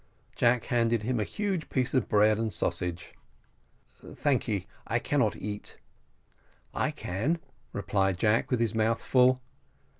Jack handed him a huge piece of bread and sausage. "Thank ye, I cannot eat." "I can," replied Jack, with his mouth full.